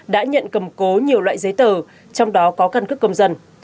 đã nhận cầm cố nhiều loại giấy tờ trong đó có căn cước công dân